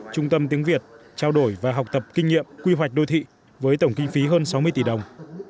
trung tâm tiếng việt trao đổi và học tập kinh nghiệm quy hoạch đô thị với tổng kinh phí hơn sáu mươi tỷ đồng